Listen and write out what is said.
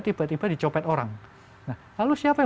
tiba tiba dicopet orang nah lalu siapa yang